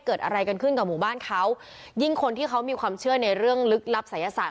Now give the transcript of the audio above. เกิดอะไรกันขึ้นกับหมู่บ้านเขายิ่งคนที่เขามีความเชื่อในเรื่องลึกลับศัยศาส